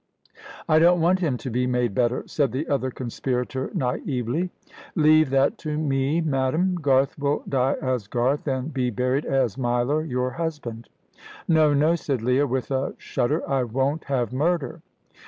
"I don't want him to be made better," said the other conspirator, naïvely. "Leave that to me, madame. Garth will die as Garth, and be buried as Milor, your husband." "No, no," said Leah, with a shudder. "I won't have murder."